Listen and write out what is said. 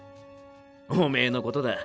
おめーのことだ